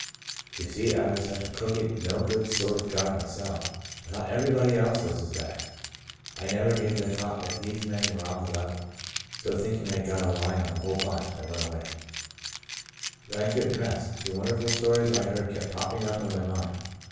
You see I was such a crooked, no good sort of guy myself I thought everybody else was as bad. I never gave it a thought that these men were on the level. So thinking Fd got a line on the whole bunch I went away„ " But I couldn't rest. The wonderful stories I had heard kept popping up in my mind.